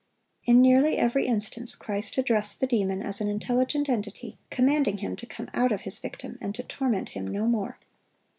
In nearly every instance, Christ addressed the demon as an intelligent entity, commanding him to come out of his victim and to torment him no more.